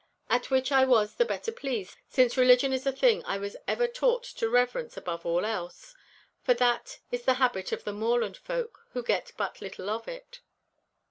At which I was the better pleased, since religion is a thing I was ever taught to reverence above all else, for that is the habit of the moorland folk who get but little of it.